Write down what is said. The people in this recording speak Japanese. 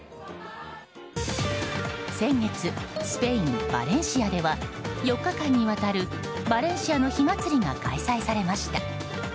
先月、スペイン・バレンシアでは４日間に渡るバレンシアの火祭りが開催されました。